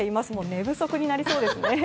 寝不足になりそうですね。